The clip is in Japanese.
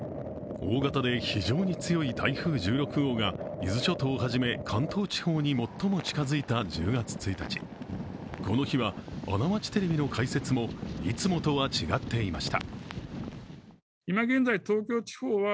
大型で非常に強い台風１６号が伊豆諸島はじめ関東地方に最も近づいた１０月１日、この日は「あな町テレビ」の解説もいつもと違っていました。